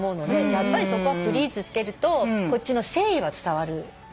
やっぱりそこは「ｐｌｅａｓｅ」付けるとこっちの誠意は伝わるよね。